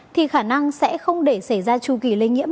thì khả năng sẽ không để xảy ra chu kỳ lây nhiễm